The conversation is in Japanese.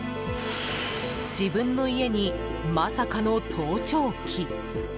自分の家に、まさかの盗聴器。